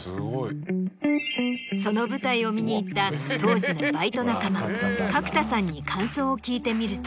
その舞台を見に行った当時のバイト仲間角田さんに感想を聞いてみると。